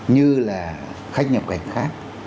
như là khách nhập cảnh khác